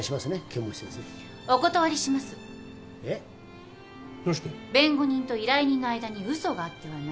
弁護人と依頼人の間に嘘があってはならない。